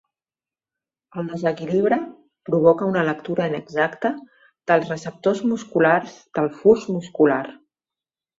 El desequilibre provoca una lectura inexacta dels receptors musculars del fus muscular.